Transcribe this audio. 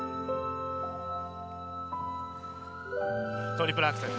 トリプルアクセル。